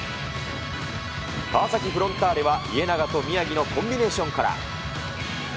川崎フロンターレは、家長と宮城のコンビネーションから。